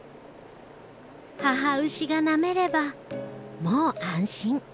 母牛がなめればもう安心。